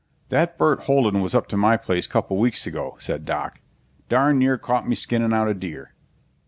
"That Burt Holden was up to my place couple weeks ago," said Doc. "Darn near caught me skinning out a deer."